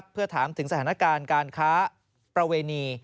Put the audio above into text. เพื่อถามถึงสถานการณ์การค้าประเวณี